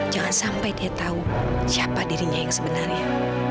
jangan sampai dia tahu siapa dirinya yang sebenarnya